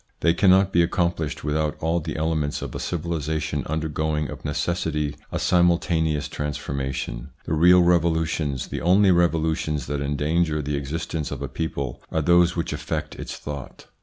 They cannot be accomplished without all the elements of a civilisation undergoing of necessity a simultaneous transformation. The real revolutions, the only revolutions that endanger the existence of a people, are those which affect its thought.